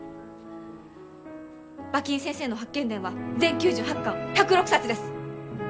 馬琴先生の「八犬伝」は全９８巻１０６冊です。